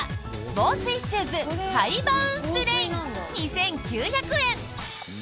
防水シューズハイバウンスレイン２９００円。